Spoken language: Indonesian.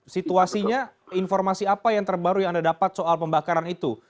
situasinya informasi apa yang terbaru yang anda dapat soal pembakaran itu